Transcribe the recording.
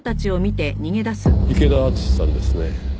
池田淳さんですね。